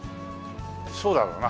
そうだろうな。